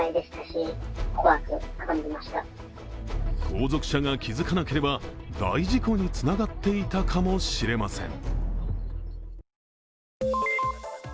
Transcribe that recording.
後続車が気付かなければ大事故につながっていたかもしれません。